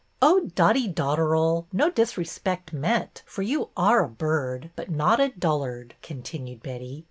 '' Oh, Dotty Dotteral ! No disrespect meant, for you are a bird, but not a dullard," continued Betty.